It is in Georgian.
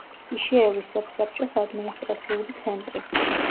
იშეევის სოფსაბჭოს ადმინისტრაციული ცენტრი.